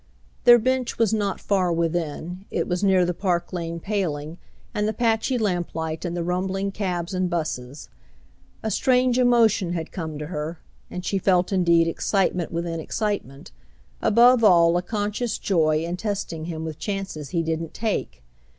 Their bench was not far within; it was near the Park Lane paling and the patchy lamplight and the rumbling cabs and 'buses. A strange emotion had come to her, and she felt indeed excitement within excitement; above all a conscious joy in testing him with chances he didn't take.